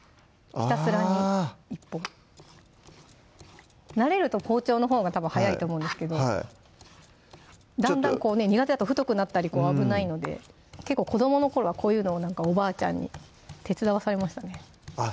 ひたすらに１本慣れると包丁のほうがたぶん早いと思うんですけどだんだんこうね苦手だと太くなったりこう危ないので結構子どもの頃はこういうのをおばあちゃんに手伝わされましたねあっ